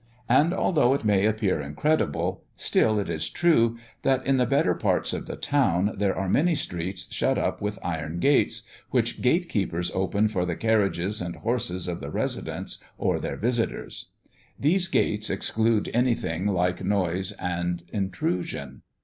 And, although it may appear incredible, still it is true, that in the better parts of the town there are many streets shut up with iron gates, which gatekeepers open for the carriages and horses of the residents or their visitors. These gates exclude anything like noise and intrusion.